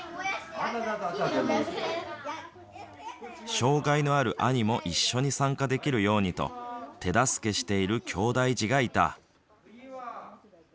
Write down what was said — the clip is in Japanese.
障害のある兄も一緒に参加できるようにと手助けしているきょうだい児がいた。